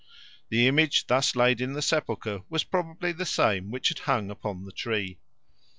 The image thus laid in the sepulchre was probably the same which had hung upon the tree.